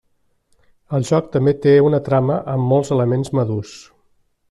El joc també té una trama amb molts elements madurs.